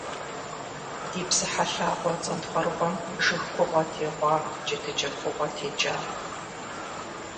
Ди псыхьэ лъагъуэ цӏэнтхъуэрыгъуэм жыг кугъуэ тегъуа, джэдыкӏэ кугъуэ текӏа.